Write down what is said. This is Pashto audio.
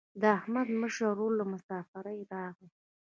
د احمد مشر ورور له مسافرۍ راغی.